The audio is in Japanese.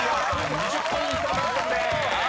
２０ポイント獲得です］